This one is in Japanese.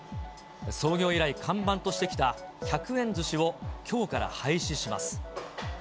創業以来看板としてきた１００円ずしをきょうから廃止します。